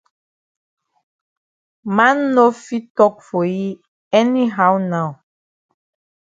Man no fit tok for yi any how now.